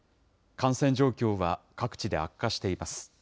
感染状況は各地で悪化しています。